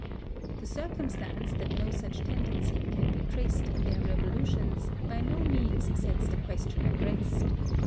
The circumstance that no such tendency can be traced in their revolutions by no means sets the question at rest.